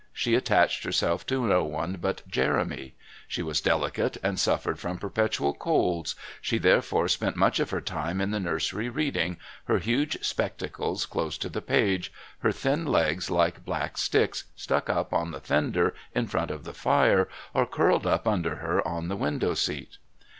She attached herself to no one but Jeremy; she was delicate and suffered from perpetual colds; she therefore spent much of her time in the nursery reading, her huge spectacles close to the page, her thin legs like black sticks stuck up on the fender in front of the fire or curled up under her on the window seat.